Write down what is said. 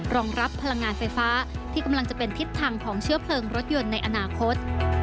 รองรับพลังงานไฟฟ้าที่กำลังจะเป็นทิศทางของเชื้อเพลิงรถยนต์ในอนาคต